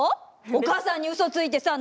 お母さんにうそついてさ